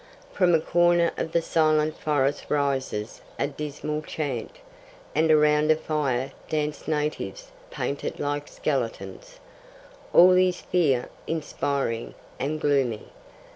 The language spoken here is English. From a corner of the silent forest rises a dismal chant, and around a fire dance natives painted like skeletons. All is fear inspiring and gloomy.